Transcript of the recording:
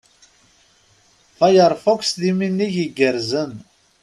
Firefox, d iminig igerrzen.